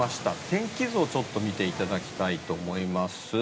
天気図をちょっと見ていただきたいと思います。